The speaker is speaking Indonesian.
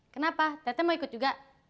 kenapa tete mau ikut juga